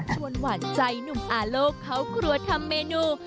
ชวนหวานใจหนุ่มอาโลกเขากลัวทำเมนู